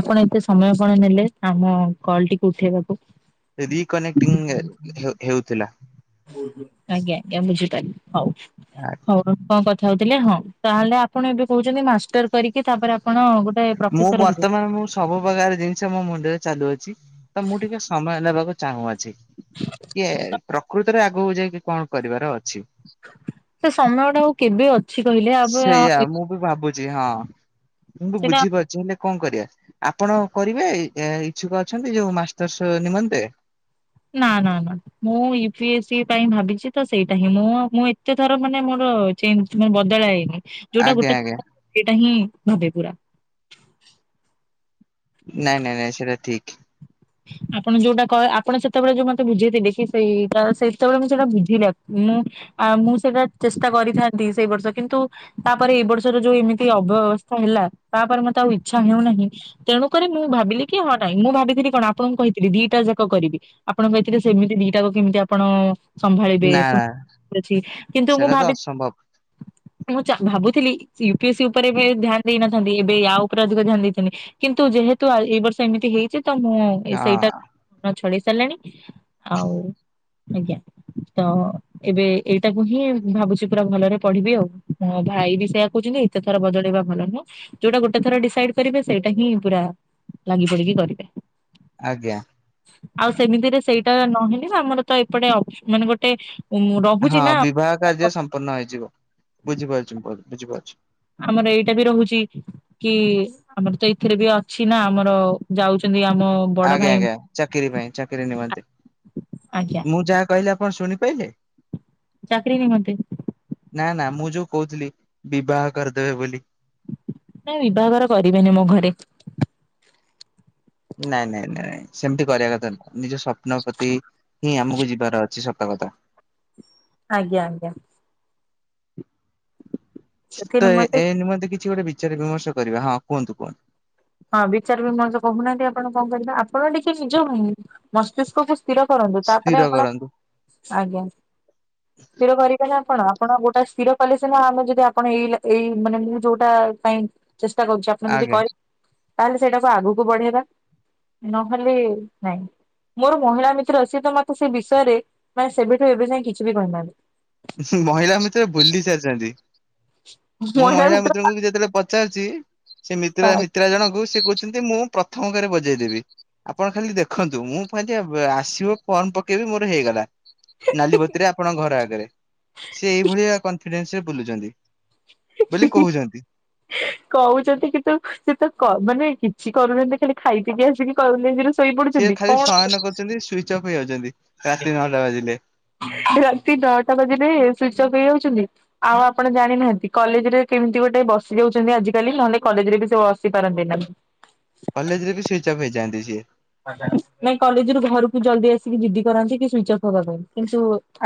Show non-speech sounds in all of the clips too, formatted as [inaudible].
ଆପଣ ଏତେ ସମୟ କଣ ନେଲେ ଆମ କଲ ଟିକୁ ଉଠେଇବାକୁ। ରିକନେକ୍ଟିଂ ହେଉ ହେଉଥିଲା। ଆଜ୍ଞା ଆଜ୍ଞା ବୁଝିପାରିଲି ହଉ। ଆ ହଉ କଣ କଥା ହଉଥିଲେ ହଁ ତାହେଲେ ଆପଣ ଏବେ କହୁଛନ୍ତି ମାଷ୍ଟର କରିକି ତାପରେ ଆପଣ ଗୋଟେଏ ମୁଁ ବର୍ତ୍ତମାନ ମୁଁ ସବୁ ପ୍ରକାର ଜିନିଷ ମୋ ମୁଣ୍ଡରେ ଚାଲୁଅଛି ତ ମୁଁ ଟିକେ ସମୟ ଦବାକୁ ଚାହୁଁ ଅଛି କିଏ ପ୍ରକୃତରେ ଆଗକୁ ଯାଇକି କଣ କରିବାର ଅଛି। ସେ ସମୟ ଟା ଆଉ କେବେ ଅଛି କହିଲେ ଆବେ ସେଇଆା ମୁଁ ବି ଭାବୁଛି ହଁ। ତମକୁ ସେଟା ବୁଝିପାରୁଛି ହେଲେ କଣ କରିବା। ଆପଣ କରିବେ ଇଚଛୁକ ଅଛନ୍ତି ଯୋଉ ମାଷ୍ଟର୍ସ ନିମନ୍ତେ। ନା ନା ନା ମୁଁ ୟୁ ପି ଏସ୍ ସ ପାଇଁ ଭାବିଛି ତ ସେଇଟା ହିଁ ମୁଁ ମୁଁ ଏତେ ଥର ମାନେ ମୋର ଚେଞ୍ଜ ମୁଁ ବଦଳାଇନି ଯୋଉଟା ଆଜ୍ଞା ଗୋଟେ ଆଜ୍ଞା ସେଇଟା ହିଁ ଭାବେ ପୁରା। ନାଇଁ ନାଇଁ ନାଇଁ ସେଟା ଠିକ। [inaudible] ଆପଣ ଯୋଉଟା କହ ଆପଣ ସେତେବେଳେ ଯୋଉ ମତେ ବୁଝେଇଥିଲେ କି ସେଇ ସେତେବେଳେ ମୁଁ ସେଟା ବୁଝିଲି ମୁଁ ଆ ମୁଁ ସେଇଟା ଚେଷ୍ଟା କରିଥାନ୍ତି ସେଇ ବର୍ଷ କିନ୍ତୁ ତାପରେ ଏ ବର୍ଷର ଯୋଉ ଏମିତି ଅବ୍ୟବସ୍ଥା ହେଲା ତାପରେ ମତେ ଆଉ ଇଚ୍ଛା ହେଉନାହିଁ। ତେଣୁକରି ମୁଁ ଭାବିଲି କି ହଁ ନାଇଁ ମୁଁ ଭାବିଥିଲି କଣ ଆପଣଙ୍କୁ କହିଥିଲି ଦିଟା ଯାକ କରିବି ଆପଣ କହିଥିଲେ ସେମିତି ଦିଟା କ କେମିତି ଆପଣ ସମ୍ଭାଳିବେ ନା ପୁ ନା [inaudible] କିନ୍ତୁ ମୁଁ ସେଇଟା ତ ଭାବି ଅସମ୍ଭବ। ମୁଁ ଭାବୁଥିଲି ୟୁପି ଏସ୍ ସି ଉପରେ ଏବେ ଧ୍ୟାନ ଦେଇନଥାନ୍ତି ଏବେ ୟାଉପରେ ଅଧିକ ଧ୍ୟାନ ଦେଇଥାନ୍ତି। କିନ୍ତୁ ଯେହେତୁ ଏଇ ବର୍ଷ ଏମିତି ହେଇଛି ତ ମୁଁ ହଁ ସେଇଟା ଛଡେଇ ସାରିଲାଣି। ଆଉ ଆଜ୍ଞା ତ ଏବେ ଏଇଟାକୁ ହିଁ ଭାବୁଛି ପୁରା ଭଲରେ ପଢିବି ଆଉ ମୋ ଭାଇ ବି ସେଇୟା କହୁଛନ୍ତି। ଏତେ ଥର ବଦଳେଇବା ଭଲ ନୁହଁ ଯୋଉଟା ଗୋଟେ ଥର ଡିସାଇଡ କରିବେ ସେଇଟା ହିଁ ପୁରା। ଲାଗିପଡିକି କରିବେ। ଆଜ୍ଞା। ଆଉ ସେମିତିରେ ସେଇଟା ନହେଲେ ନା ଆମର ତ ଏପଟେ ମାନେ ଗୋଟେ ଉ ରହୁଛି ନା। ପୂର୍ଣ୍ଣ ହେଇଯିବ ବୁଝିପାରୁଛି ମୁଁ ବୁଝିପାରୁଚଛି। ଆମର ଏଇଟା ବି ରହୁଛି। କି ଆମର ତ ଏଥିରେ ବି ଅଛି ନା ଆମର ଯାଉଛନ୍ତି ଆମ ବଡ ଆଜ୍ଞା ଭାଇ ଆଜ୍ଞା ଚାକିରି ପାଇଁ ଚାକିରି ନିମନ୍ତେ ଆଜ୍ଞା ମୁଁ ଯାହା କହିଲି ଆପଣ ଶୁଣିପାଇଲେ? ଚାକିରି ନିମନ୍ତେ। ନା ନା ମୁଁ ଯୋଉ କହୁଥିଲି ବିବାହ କରିଦେବେ ବୋଲି। ନା ବିବାହଘର କରିବେନି ମୋ ଘରେ। ନାଇଁ ନାଇଁ ନାଇଁ ସେମିତି କରିଆ କଥା ନୁହଁ ନିଜ ସ୍ୱପ୍ନ ପ୍ରତି ହିଁ ଆମୁକୁ ଯିବାର ଅଛି ସତ କଥା। ଆଜ୍ଞା ଆଜ୍ଞା। ସେଥି ତ ନିମନ୍ତେ ଏ-ଏ ନିମନ୍ତେ କିଛି ଗୋଟେ ବିଚାର ବିମର୍ଶ କରିବା ହଁ କୁହନ୍ତୁ କୁହନ୍ତୁ। ହଁ ବିଚାର ବିମର୍ଶ କହୁନାହାନ୍ତି ଆପଣ କଣ କରିବା ଆପଣ ଟିକେ ନିଜ ମସ୍ତିଷ୍କକୁ ସ୍ଥିର କରନ୍ତୁ ତାପରେ ସ୍ଥିର ଆପଣ କରନ୍ତୁ ଆଜ୍ଞା। ସ୍ଥିର କରିବେ ହିଁ ଆପଣ ଆପଣ ଗୋଟା ସ୍ଥିର କଲେ ସିନା ଆମେ ଯଦି ଆପଣ ଏଇ ଏଇ ମାନେ ମୁଁ ଯୋଉଟା ପାଇଁ ଚେଷ୍ଟା କରୁଛି ଆପଣ ଯଦି ଆଜ୍ଞା କ ତାହେଲେ ସେଇଟାକୁ ଆଗୁକୁ ବଢେଇବା ନହେଲେ ନାଇଁ। ମୋର ମହିଳା ମିତ୍ର ସିଏ ତ ମତେ ସେ ବିଷୟରେ ମାନେ ସେବେଠୁ ଏବେଯାଏଁ କିଛି ବି କହିନାହାନ୍ତି। ମହିଳା ମିତ୍ର ଭୁଲି ସାରିଛନ୍ତି ମୁଁ ମଇଳା ମହିଳା ଭିତରେ ମିତ୍ରଙ୍କୁ ଯେତେବେଳେ ପ ପଚାରଚି ସେ ଆଶା। ମିତ୍ରା ମିତ୍ରା ଜଣଙ୍କୁ ସେ କହୁଛନ୍ତି ମୁଁ ପ୍ରଥମ କରେ ବଜେଇଦେବି। ଆପଣ ଖାଲି ଦେଖନ୍ତୁ ମୁଁ ପୁଣି ଯଦି ଆସିବ ଫର୍ମ ପକେଇବି ମୋର ହେଇଗଲା। ନାଲି ବତିରେ ଆପଣଙ୍କ ଘର ଆଗରେ। ସେ ଏଇଭଳିଆ କନଫିଡେନ୍ସ ରେ ବୁଲୁଛନ୍ତି ବୋଲି କହୁଛନ୍ତି। [inaudible] କହୁଛନ୍ତି କିନ୍ତୁ ସେତ କ ମାନେ କିଛି କରୁନାହାନ୍ତି ଖାଲି ଖାଇ ପିକି ଆସିକି କଲେଜ ରେ ଶୋଇପଡୁଛନ୍ତି କଣ ଚପ ହେଇଯାଉଛନ୍ତି ରାତି ନଅଟା ବାଜିଲେ। ରାତି ନଅଟା ବାଜିଲେ ସୁଇଚ ଅଫ୍ ହେଇଯାଉଛନ୍ତି? ଆଉ ଆପଣ ଜାଣିନାହାନ୍ତି, କଲେଜ ରେ କେମିତି ଗୋଟେ ବସି ଯାଉଛନ୍ତି ଆଜିକାଲି ନହେଲେ କଲେଜରେ ବି ସେ ବସି ପାରନ୍ତି ନାହିଁ। କଲେଜରେ ବି ସୁଇଚ ଅପ୍ ହେଇଯାଆନ୍ତି ସିଏ? ନାଇ କଲେଜ ରୁ ଘରକୁ ଜଲଦି ଆସିକି ଜିଦ୍ଦି କରାନ୍ତି କି ସୁଇଚ ଅଫ୍ ହବା ପାଇଁ, କିନ୍ତୁ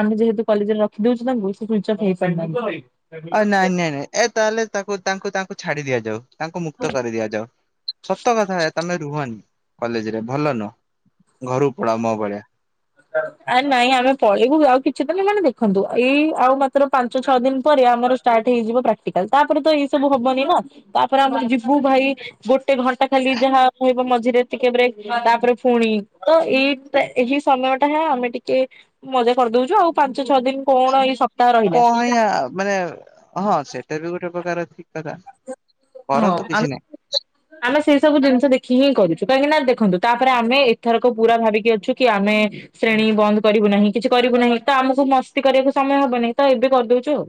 ଆମେ ଯେହେତୁ କଲେଜରେ ରଖିଦଉଛୁ ତାଙ୍କୁ ସେ ସୁଇଚ୍ ଅପ୍ ହେଇପାରୁନାହାନ୍ତି। ଅ ନାଇଁ ନାଇଁ ନାଇଁ ଏ ତାହେଲେ ତାକୁ ତାଙ୍କୁ ତାଙ୍କୁ ଛାଡି ଦିଆଯାଉ। ତାଙ୍କୁ ମୁକ୍ତ କରି ଦିଆଯାଉ ସତ କଥା ତମେ ରୁହନି। କଲେଜ ରେ ଭଲ ନୁହ, ଘରୁକୁ ପଳାଅ ମୋ ଭଳିଆ। ଆରେ ନାଇଁ ଆମେ ପଳେଇବୁ ଆଉ କିଛି ଦିନି ମାନେ ଦେଖନ୍ତୁ ଏଇ ଆଉ ମାତ୍ର ପାଞ୍ଚ ଛଅ ଦିନ ପରେ ଆମର ଷ୍ଟାର୍ଟ ହେଇଯିବ ପ୍ରାକ୍ଟିକାଲ, ତାପରେ ତ ଏଇ ସବୁ ହବନି ନା ତାପରେ ଆମେ ଯିବୁ ଭାଇ ଗୋଟେ ଘଣ୍ଟା ଖାଲି ଯାହା ରହିବ ମଝିରେ ଟିକେ ବ୍ରେକ ତାପରେ ପୁଣି ତ ଏଇ ଟା ଏହି ସମୟ ଟା ହେ ଆମେ ଟିକେ ମଜା କରିଦଉଛୁ ଆଉ ପାଞ୍ଚ ଛଅ ଦିନ କଣ ଏଇ ସ କଣ ୟା ମାନେ ହଁ ସେଇଟା ବି ଗୋଟେ ପ୍ରକାର ଠିକ କଥା। ହଁ କରନ୍ତୁ ଆ କିଛି ନାହିଁ। ଆମେ ସେଇ ସବୁ ଜିନିଷ ଦେଖି ହିଁ କରିଛୁ, କାହିଁକି ନା ଦେଖନ୍ତୁ ତାପରେ ଆମେ ଏଥରକ ପୁରା ଭାବିକି ଅଛୁ କି ଆମେ ଶ୍ରେଣୀ ବନ୍ଦ କରିବୁ ନାହିଁ, କିଛି କରିବୁ ନାହିଁ ତ ଆମକୁ ମସ୍ତି କରିବାକୁ ସମୟ ହବ ନାହିଁ ତ ଏବେ କରିଦଉଛୁ ଆଉ।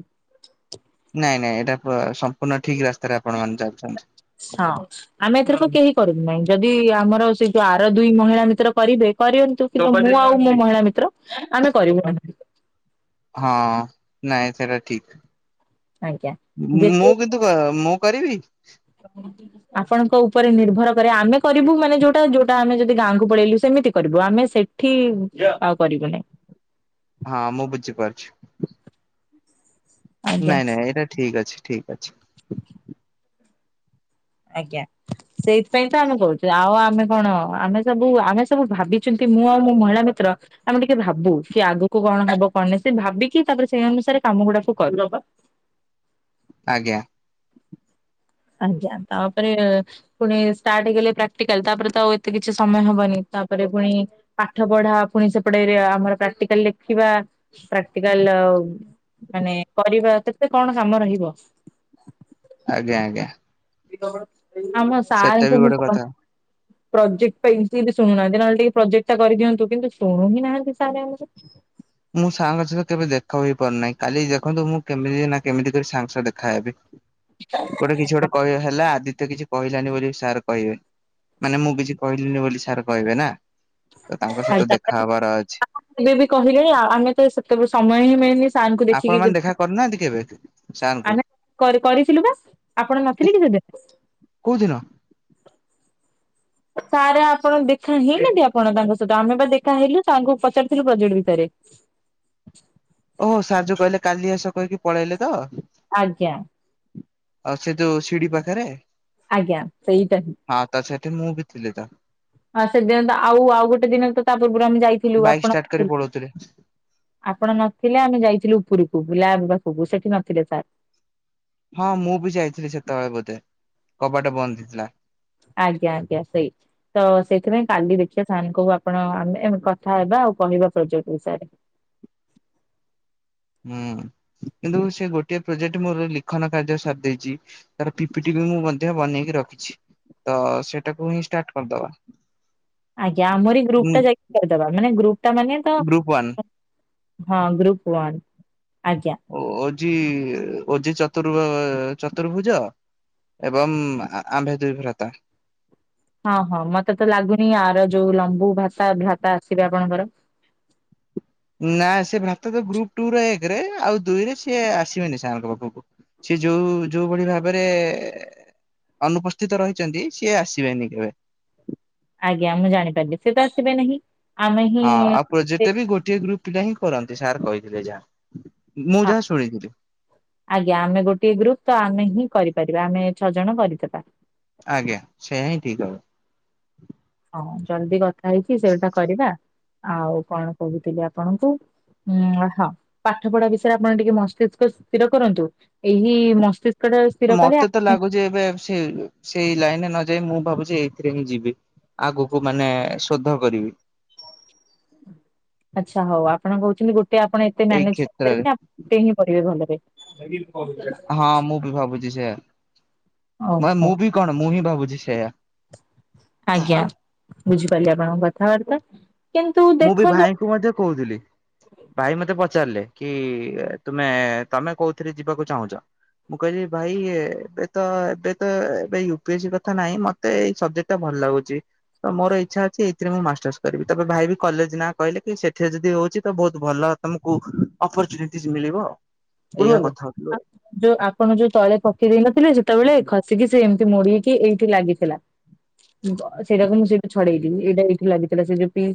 ନାଇଁ ନାଇଁ ଏଇଟା ପ ସମ୍ପୂର୍ଣ୍ଣ ଠିକ ରାସ୍ତାରେ ଆପଣମାନେ ଯାଉଛନ୍ତି। ହଁ। ଆମେ ଏଥରକୁ କେହି କରିବୁ ନାହିଁ, ଯଦି ଆମର ସେଇ ଯଉ ଆର ଦୁଇ ମହିଳା ମିତ୍ର କରିବେ କରିଅନ୍ତୁ। କିନ୍ତୁ ମୁଁ ଆଉ ମୋ ମହିଳା ମିତ୍ର ଆମେ କରିବୁ ନାହିଁ। ହଁ ନାଇଁ ସେଟା ଠିକ, ଆଜ୍ଞା ଯେତେ ମୁଁ କି ନ୍ତୁ ମୁଁ କରିବି। [inaudible] ଆପଣଙ୍କ ଉପରେ ନିର୍ଭର କରେ, ଆମେ କରିବୁ ମାନେ ଯୋଉଟା ଯୋଉଟା ଆମେ ଯଦି ଗାଁକୁ ପଳେଇଲୁ ସେମିତି କରିବୁ, ଆମେ ସେ ଠି ଆଉ କରିବୁ ନାହିଁ। ହଁ ମୁଁ ବୁଝିପାରୁଛୁ। ଆଜ୍ଞା ନାଇଁ ନାଇଁ ଏଇଟା ଠିକ୍ ଅଛି ଠିକ୍। ଆଜ୍ଞା। ସେଇଥିପାଇଁ ତ ଆମେ କହୁଛୁ, ଆଉ ଆମେ କଣ ଆମେ ସବୁ ଆମେ ସବୁ ଭାବିଛନ୍ତି ମୁଁ ଆଉ ମୋ ମହିଳା ମିତ୍ର ଆମେ ଟିକେ ଭାବୁ କି ଆଗକୁ କଣ ହବ କଣ ନାଇଁ ସେ ଭାବିକି ତାପରେ ସେଇ ଅନୁସାରେ କାମ ଗୁଡାକୁ କରୁ। ଆଜ୍ଞା। ଆଜ୍ଞା ତାପରେ ପୁଣି ଷ୍ଟାର୍ଟ ହେଇଗଲେ ପ୍ରାକ୍ଟିକାଲ ତାପରେ ତ ଆଉ ଏତେ କିଛି ସମୟ ହବନି, ତାପରେ ପୁଣି ପାଠ ପଢା ପୁଣି ସେପଟେଇରେ ଆମର ପ୍ରାକ୍ଟିକାଲ ଲେଖିବା, ପ୍ରାକ୍ଟିକାଲ ମାନେ କରିବା କେତେ କଣ କାମ ରହିବ। ଆଜ୍ଞା ଆଜ୍ଞା। ଆମ ସେଟା ବି ସାରଙ୍କୁ ମୁଁ ଗୋଟେ କ କଥା। ପ୍ରୋଜେକ୍ଟ ପାଇଁତି ଶୁଣୁନାହାନ୍ତି ନହେଲେ ଟିକେ ପ୍ରୋଜେକ୍ଟା କରିଦିଅନ୍ତୁ କିନ୍ତୁ ଶୁଣୁ ହି ନାହାନ୍ତି ସାର୍ ଆମର। ମୁଁ ସାରଙ୍କ ସହିତ କେବେ ଦେଖା ହୋଇ ପାରୁନାହିଁ, କାଲି ଦେଖନ୍ତୁ ମୁଁ କେମିତି ନା କେମିତି କରି ସାରଙ୍କ ସହ ଦେଖାହବି। ଗୋଟେ କିଛି ଗୋଟେ କହ ହେଲା ଆଦିତ୍ୟ କିଛି କହିଲାନି ବୋଲି ସାର୍ କହିବେନି ମାନେ ମୁଁ କିଛି କହିଲିନି ବୋଲି ସାର୍ କହିବେ ନା। ତ ତାଙ୍କ ସହିତ ଦେଖାହବାର ଅଛି। କେବେ ବି କହିଲେ ଆଉ ଆମେ ତ ସେତେବେ ସମୟ ହିଁ ମିଳନି। ସାର୍ ଙ୍କୁ ଆପଣ ଦେଖିକି ମାନେ ଦେଖା କରୁନାହାନ୍ତି କେବେ ସାରଙ୍କୁ? ଆ କରିଥିଲୁ ବା। ଆପଣ ନଥିଲେ କି ସେ ଦିନ। କୋଉଦିନ। ସାର୍ ଆପଣ ଦେଖା ହେଇଲେହାନ୍ତି ଆପଣ ତାଙ୍କ ସହିତ ଆମେ ବା ଦେଖା ହେଇଲୁ ତାଙ୍କୁ ପଚାରିଥିଲୁ ପ୍ରୋଜେକ୍ଟ ବିଷୟରେ। ଓହୋ ସାଜୁ କହିଲେ କାଲି ଆସ କହିକି ପଳେଇଲେ ତ। ଆଜ୍ଞା ଆଉ ସେ ତୋ ଶିଢି ପାଖରେ। ଆଜ୍ଞା ସେଇଟା ହଁ ତା ସେ ମୁଁ ବି ଥିଲି ତା। ହଁ ସେଦିନ ତ ଆଉ ଆଉ ଗୋଟେ ଦିନ ତ ତା ପୂର୍ବରୁ ଆମେ ଯାଇଥିଲୁ ବାଇକ୍ ଷ୍ଟାର୍ଟ କରି ଆପଣକୁଁ। ପଳଉଥିଲେ ଆପଣ ନଥିଲେ ଆମେ ଯାଇଥିଲୁ ଉପରକୁ ବୁଲାବ ପାଖକୁ ସେଠି ନଥିଲେ ସାର୍। ହଁ ମୁଁ ବି ଯାଇଥିଲି ସେତେବେଳେ ବୋଧେ କବାଟ ବନ୍ଦ ହେଇଥିଲା। ଆଜ୍ଞା ଆଜ୍ଞା ସେଇ। ତ ସେଇଥିପାଇଁ କାଲି ଦେଖିବା ସାନଙ୍କୁ ଆପଣ ଆେ କଥା ହେବା ଆଉ କହିବା ପ୍ରୋଜେକ୍ଟ ବିଷୟରେ। ହୁଁ କିନ୍ତୁ ସେ ଗୋଟିଏ ପ୍ରୋଜେକ୍ଟ ମୋର ଲିଖନ କାର୍ଯ୍ୟ ସାରି ଦେଇେଛି। ତାର ପିପିଟି ବିି ମୁଁ ମଧ୍ୟ ବନେଇକି ରଖିଛି। ତ ସେଟାକୁ ହିଁ ଷ୍ଟାର୍ଟ କରିଦବା। ଆଜ୍ଞା ଆମର ଏଇ ଗ୍ରୁପ ଟା ଯାଇକି କରିଦବା ମାନେ ଗ୍ରୁପ ଟା ମାନେ ତ। Group one. ହଁ ଗ୍ରୁପ ୱାନ୍ ଆଜ୍ଞା। ଓ ଅଜି ଓଜି ଚତୁର୍ଭ ଚତୁର୍ଭୁଜ। ଏବଂ ଆମ୍ଭେ ଦୁଇ ଭ୍ରତା। ହଁ ହଁ ମତେ ତ ଲାଗୁନି ଆର ଯୋଉ ଲମ୍ବୁ ଭତା ଭାତା ଆସିବେ ଆପଣଙ୍କର। ନା ସେ ଭ୍ରାତ ତ ଗ୍ରୁପ ଟୁ ର ଏକରେ ଆଉ ଦୁଇରେ ସିଏ ଆସିବେନି ସେଙ୍କ ପାଖକୁ। ସେି ଯୋଉ ଯୋଉ ଭଳି ଭାବରେ। ଅନୁପସ୍ଥିତ ରହିଛନ୍ତି ସିଏ ଆସିବେନି କେବେ। ଆଜ୍ଞା ମୁଁ ଜାଣି ପାରିଲି ସେ ତ ଆସିବେ ନାହିଁ। ଆମେ ହିଁ ହଁ ଆଉ ସେ- ପ୍ରୋଜେକ୍ଟ ବି ଗୋଟିଏ ଗ୍ରୁପ ପିଲା ହିଁ କରନ୍ତି ସାର୍ କହିଥିଲେ ଯାହା। ମୁଁ ହଁ ଯାହା ଶୁଣିଥିଲି। ଆଜ୍ଞା ଆମେ ଗୋଟଏ ଗ୍ରୁପ ତ ଆମେ ହିଁ କରିପାରିବା ଆମେ ଛଅ ଜଣ କରିଦେବା। ଆଜ୍ଞା ସେଇୟା ହିଁ ଠିକ ହବ। ହଁ ଜଲଦି କଥା ହେଇଛି ସେଗଟା କରିବା ଆଉ କଣ କହୁଥିଲି ଆପଣଙ୍କୁ। ଉଁ ହଁ ପାଠ ପଢା ବିଷୟରେ ଆପଣ ଟିକେ ମସ୍ତିଷ୍କ ସ୍ଥିର କରନ୍ତୁ ଏହି ମସ୍ତିଷ୍କ ଇ ହବ। ସ୍ଥିରକ ମତେ ଆ ତ ଲାଗୁଛି ଏବେ ସେ ସେଇ ଲାଇନରେ ନ ଯାଇ ମୁଁ ଭାବୁଛି ଏଇଥିରେ ହିଁ ଯିବି ଆଗକୁ ମାନେ ଶୋଧ କରିବି ଆଚ୍ଛା ହଉ ଆପଣ କହୁଛନ୍ତି ଗୋଟେ ଆପଣ ଏତେ ଏଇ ମ୍ୟାନେଜ କ୍ଷେତ୍ରରେ କରିପାରେ ଗଟେ ହିଁ କରିବେ ଭଲରେ ଲି କ ହଁ ମୁଁ ବି ଭାବୁଛି ସେୟା ମ ଓହୋ ମୁଁ ବି କଣ ମୁଁ ହିଁ ଭାବୁଛି ସେୟା ଆଜ୍ଞା ବୁଝିପାରିଲି ଆପଣଙ୍କ କଥାବାର୍ତ୍ତା କିନ୍ତୁ ମୁଁ ବି ଦେଖନ୍ତୁ ଭାଇଙ୍କୁ ମଧ୍ୟ କହୁଥିଲି ଭାଇ ମତେ ପଚାରିଲେ କି ତୁମେ ତମେ କୋଉଥିରେ ଯିବାକୁ ଚାହୁଁଛ ମୁ କ ଭାଇ ଏବେ ତ ଏବେ ତ ଏବେ ୟୁପିଏ ସ କଥା ନାହିଁ ମେ ମତେଇବଜେକ୍ଟା ଭଲ ଲାଗୁଛି ତ ମୋର ଇଚ୍ଛା ଅଛି ଏଇଥିରେ ମୁଁ ମାଷ୍ଟର୍ସ କରିବି ତବେ ଭାଇ କଲେଜ ନାଁ କହିଲେ କି ସେଠରେ ଯଦି ହଉଛି ତ ବହୁତ ଭଲ ତମକୁ ଅପରଚୁନିଟି ମିଳିବ ଏଇଆ ପଠିବ କଥା ହଉଥିଲୁ ଆଉ। ଯୋଉ ଆପଣ ଯୋଉ ତଳେ ପକେଇ ଦେଇେଇ ନଥିଲେ ସେତେବେଳେ ଖସିକି ସେ ଏମିତି ମୋଡକି ଏଇଠି ଲାଗିଥିଲା ସେଇଟାକୁ ମୁଁ ସେଇଠୁ ଛଡେଇଥିଲି ଏଇଟା ଏଇଠି ଲାଗିଥିଲା ସେ ଯୋଉି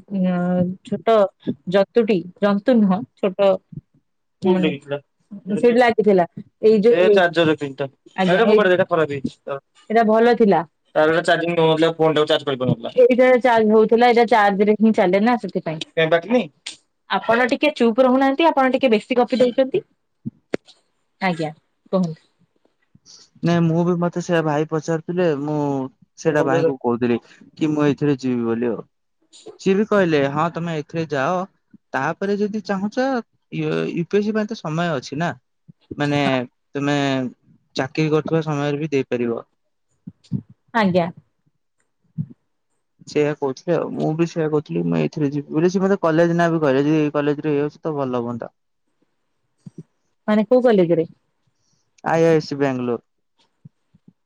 ଛୋଟ ଜନ୍ତୁଟି ଜନ୍ତୁ ନୁହଁ ଛୋଟ ସେଠି ଲାଗିଥିଲା। ଏଇଟା ଭଲ ଥିଲା। [inaudible] ଆପଣ ଟିକେ ଚୁପ୍ ରହୁନାହାନ୍ତି ଆପଣ ଟିକେ ବେଶୀ ଗପି ଦଉଛନ୍ତି। ଆଜ୍ଞା କୁହନ୍ତୁ। ନାଇଁ ମୁଁ ବି ମତେ ସେଇଟା ଭାଇ ପଚାରୁଥିଲେ ମୁଁ ସେଇଟା ଭାଇ ଭଲ କ କହୁଥିଲି କି ମୁଁ ଏଥିରେ ଯିବି ବୋଲି ଆଉ ସିଏ ବି କହିଲେ ହଁ ତମେ ରେ ଯାଅ ତାପରେ ଯଦି ଚାହୁଁଛ ୟୁ ପିଏସ୍ ସି ପାଇଁ ତ ସମୟ ଅଛି ନା ମାନେ ତମେ ଚାକିରି କରୁଥିବା ସମୟରେ ବି ଦେଇପାରିବ। ଆଜ୍ଞା ସେଇଆ କହୁଥିଲେ ଆଉ ମୁଁ ବି ସେଇଆ କହୁଥିଲି ମୁଁ ଏଥିରେ ଯିବି ବୋଲି ମୋତେ କଲେଜ ନା ବି କହିଲେ ଯଦିଇ କଲେଜ ରେଇଯାଉଛି ତ ଭଲ ହୁଅନ୍ତା। ମାନେ କୋଉ କଲେଜ ରେ? I I C Bangalore.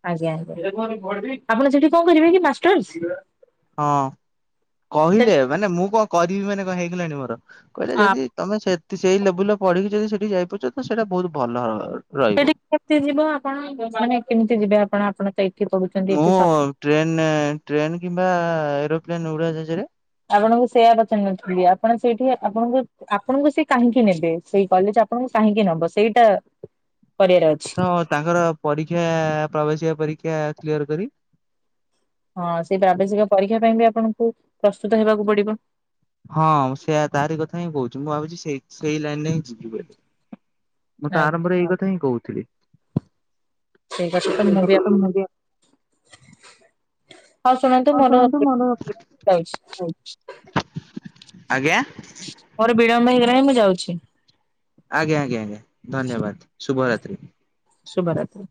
ଆଞ୍ଗା ଆପଣ ସେଠି କଣ କରିବେ କି ମାଷ୍ଟର୍ସ? ହଁ ସେ କହିଲେ ମାନେ ମୁଁ କଣ କରିବି ମାନେ କଣ ହେଇଗଲାଣି ମୋର କହିଲେ ଯଦି ତମେ ସେ ସେଇ ଲେବୁଲରେ ପଢିକି ଯଦି ସେଠି ଯାଇପାରୁଛ ତ ସେଇଟା ବହୁତ ଭଲ ହବ ସେଠି କେମିତି ଯିବ ଆପଣ ମାନେ କେମିତି ଯିବେ ଆପଣ ଆପଣ ତ ଏଇଠି କହୁଛନ୍ତି? ମୁଁ ଟ୍ରେନ ଟ୍ରେନ୍ କିମ୍ବା ଏରୋପ୍ଲେନ୍ ଉଡାଜାହାଜରେ ଆପଣଙ୍କୁ ସେୟା ପଚାରି ନଥିଲି ଆପଣ ସେଇଠି ଆପଣଙ୍କୁ ଆପଣଙ୍କୁ ସେ କାହିଁକି ନେବେ ସେଇ କଲେଜ ଆପଣଙ୍କୁ କାହିଁକି ନେବ ସେଇଟା କରିବାର ଅଛି? ତ ତାଙ୍କର ପରୀକ୍ଷା ପ୍ରବାସିକ ପରୀକ୍ଷା କ୍ଲିୟର କରି ହଁ ସେଇ ପ୍ରବେସିକା ପରୀକ୍ଷା ପାଇଁ ବି ଆପଣଙ୍କୁ ପ୍ରସ୍ତୁତ ହେବାକୁ ପଡିବ? ହଁ ସେୟା ତାରି କଥା ହିଁ କହୁଛି ମୁଁ ଭାବୁଛି ସେ ସେଇ ଲାଇନରେ ହିଁ ଯିବି। ମୁଁ ତ ଆଜ୍ଞା ଆରମ୍ଭରେ ଏଇ କଥା ହିଁ କହୁଥିଲି। ସେଇ ପର୍ୟ୍ଯନ୍ତ ସେଇ ମୁଁ [unintelligible] କଥା ତ ହଁ ଶୁଣନ୍ତୁ ମୋର ଯାଉଛି ଆଜ୍ଞା? ମୋର ବିଳମ୍ବ ହେଇଗଲାଣି ମୁଁ ଯାଉଛି। ଆଜ୍ଞା ଆଜ୍ଞା ଆଜ୍ଞା ଧନ୍ୟବାଦ ଶୁଭରାତ୍ରି। ଶୁଭ ରାତି।